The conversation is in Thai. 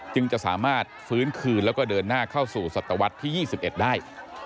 จึงจะสามารถฟื้นคืนแล้วก็เดินหน้าเข้าสู่ศตวรรษที่๒๑ได้